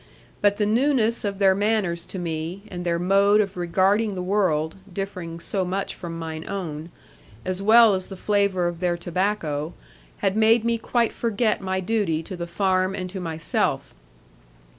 But the newness of their manners to me, and their mode of regarding the world (differing so much from mine own), as well as the flavour of their tobacco, had made me quite forget my duty to the farm and to myself.